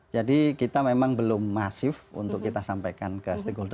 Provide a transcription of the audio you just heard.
jadi kita memang belum masif untuk kita sampaikan ke stigold